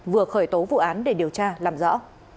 vừa khởi tố vụ án để điều tra làm rõ